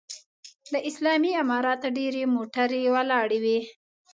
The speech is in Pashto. د اسلامي امارت ډېرې موټرې ولاړې وې.